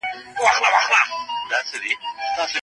د څېړني اصلي زمه واري د شاګرد پر غاړه ده.